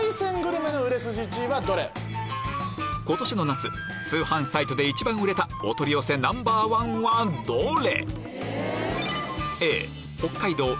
今年の夏通販サイトで一番売れたお取り寄せナンバーワンはどれ？